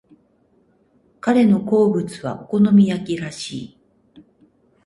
彼の好物はお好み焼きらしい。